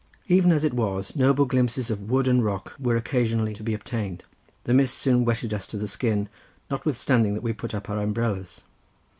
Even as it was, noble glimpses of wood and rock were occasionally to be obtained. The mist soon wetted us to the skin, notwithstanding that we put up our umbrellas.